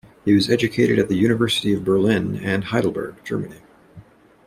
He was educated at the University of Berlin and Heidelberg, Germany.